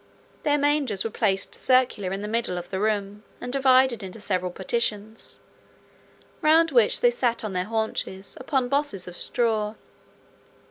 Their mangers were placed circular in the middle of the room, and divided into several partitions, round which they sat on their haunches, upon bosses of straw.